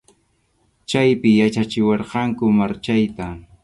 Chaypi yachachiwarqanku marchayta.